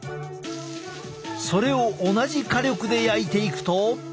それを同じ火力で焼いていくと。